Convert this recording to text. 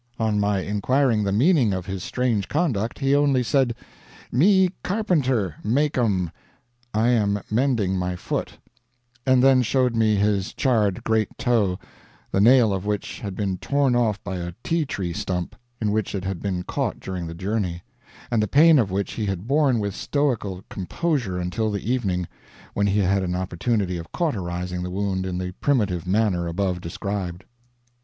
On my inquiring the meaning of his strange conduct, he only said, 'Me carpenter make 'em' ['I am mending my foot'), and then showed me his charred great toe, the nail of which had been torn off by a tea tree stump, in which it had been caught during the journey, and the pain of which he had borne with stoical composure until the evening, when he had an opportunity of cauterizing the wound in the primitive manner above described."